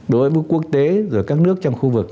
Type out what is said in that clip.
đối với quốc tế các nước trong khu vực